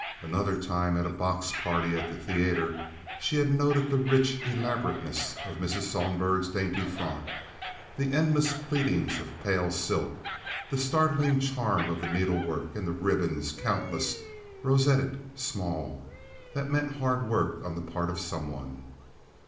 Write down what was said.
Another time, at a box party at the theater, she had noted the rich elaborateness of Mrs. Sohlberg's dainty frock, the endless pleatings of pale silk, the startling charm of the needlework and the ribbons—countless, rosetted, small—that meant hard work on the part of some one.